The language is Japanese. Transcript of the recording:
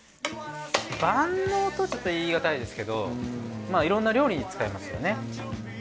万能とはちょっと言い難いですけどいろんな料理に使えますよね。